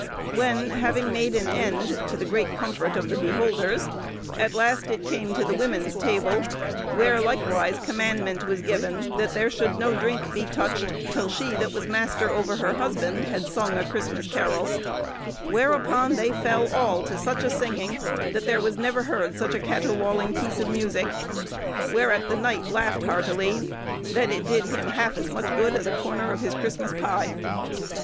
When, having made an end, to the great comfort of the beholders, at last it came to the woman's table, where, likewise, commandment was given, that there should no drinke be touched till she that was master ouer her husband had sung a Christmas carroll; whereupon they fell all to such a singing, that there was never heard such a catterwalling peece of musicke; whereat the knight laughed heartely, that it did him halfe as muche good as a corner of his Christmas pie."